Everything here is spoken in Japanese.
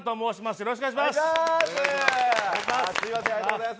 よろしくお願いします。